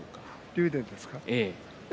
竜電ですか？